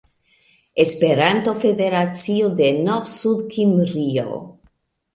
Esperanto-federacio de Novsudkimrio